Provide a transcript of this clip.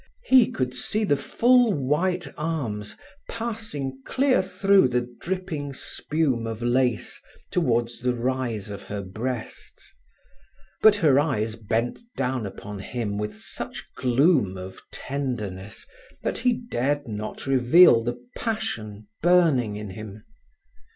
He could see the full white arms passing clear through the dripping spume of lace, towards the rise of her breasts. But her eyes bent down upon him with such gloom of tenderness that he dared not reveal the passion burning in him.